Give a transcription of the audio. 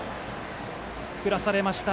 振らされました。